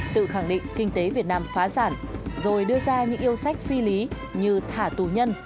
tự khẳng định kinh tế việt nam phá sản rồi đưa ra những yêu sách phi lý như thả tù nhân